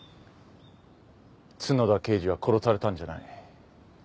角田刑事は殺されたんじゃない。